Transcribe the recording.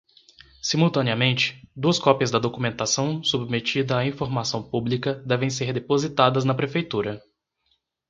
Simultaneamente, duas cópias da documentação submetida à informação pública devem ser depositadas na Prefeitura.